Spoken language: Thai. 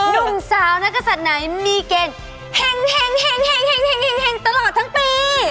หนุ่มสาวนักศัตริย์ไหนมีเกณฑ์เห็งตลอดทั้งปี